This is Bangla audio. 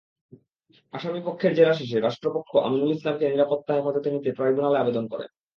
আসামিপক্ষের জেরা শেষে রাষ্ট্রপক্ষ আমিনুল ইসলামকে নিরাপত্তা হেফাজতে নিতে ট্রাইব্যুনালে আবেদন করে।